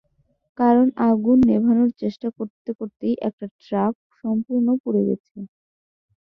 কারণ আগুন নেভানোর চেষ্টা করতে করতেই একটি ট্রাক সম্পূর্ণ পড়ে গেছে।